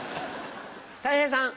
たい平さん。